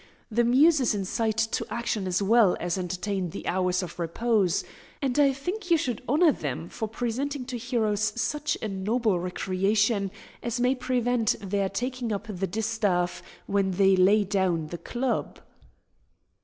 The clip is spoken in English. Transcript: The muses incite to action as well as entertain the hours of repose; and I think you should honour them for presenting to heroes such a noble recreation as may prevent their taking up the distaff when they lay down the club.